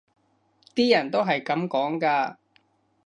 啲人都係噉講㗎